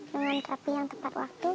rumah terapi yang tepat waktu